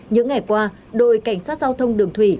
những ngày qua đội cảnh sát giao thông đường thủy